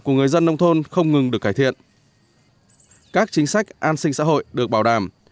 các chính sách an sinh xã hội được bảo đảm